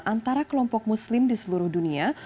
antara kelompok muslim di seluruh dunia